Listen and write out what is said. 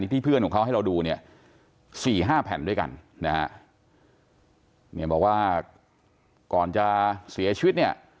ที่เพื่อนของเขาให้เราดู๔๕แผ่นด้วยกันบอกว่าก่อนจะเสียชีวิตเนี่ย